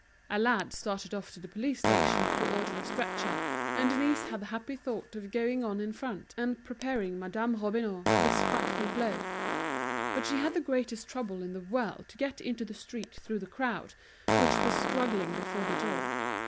A lad started off to the police station to order a stretcher, and Denise had the happy thought of going on in front and preparing Madame Robineau for this frightful blow. But she had the greatest trouble in the world to get into the street through the crowd, which was struggling before the door.